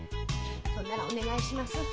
そんならお願いします。